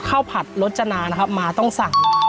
ข้าวผัดรสจนานะครับมาต้องสั่งนะครับ